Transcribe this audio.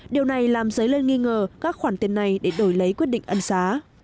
điều này làm giới lên nghi ngờ các khoản tiền này để đổi lấy quyết định ăn giá